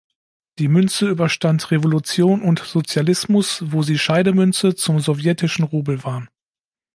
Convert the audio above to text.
Die Münze überstand Revolution und Sozialismus wo sie Scheidemünze zum Sowjetischen Rubel war.